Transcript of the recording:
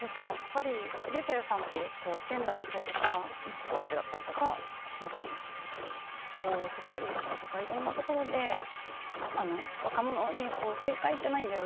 ｒｙｕｃｈｅｌｌさんってジェンダーだったり、子育てだったりとか、セクシャリティーだったりとか、いろんなところで若者に正解ってないんだよ、